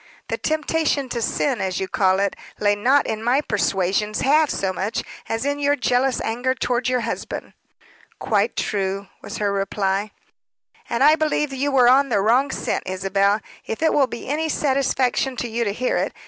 "The temptation to sin, as you call it, lay not in my persuasions half so much as in your jealous anger toward your husband." "Quite true," was her reply. "And I believe you were on the wrong scent, Isabel if it will be any satisfaction to you to hear it.